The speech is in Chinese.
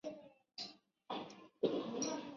卡斯泰龙。